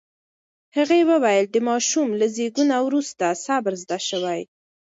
هغې وویل، د ماشوم له زېږون وروسته صبر زده شوی.